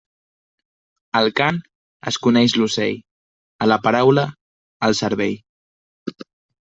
Al cant es coneix l'ocell; a la paraula, el cervell.